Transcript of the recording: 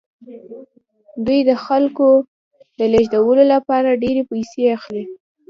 دوی د خلکو د لیږدولو لپاره ډیرې پیسې اخلي